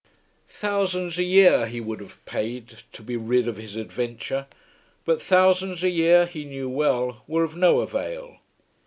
Thousands a year he would have paid to be rid of his adventure; but thousands a year, he knew well, were of no avail.